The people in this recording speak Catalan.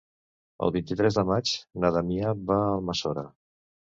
El vint-i-tres de maig na Damià va a Almassora.